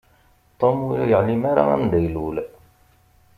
Tom ur yeεlim ara anda ilul.